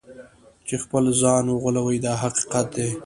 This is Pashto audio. چې خپل ځان وغولوي دا حقیقت دی.